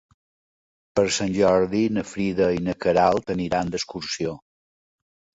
Per Sant Jordi na Frida i na Queralt aniran d'excursió.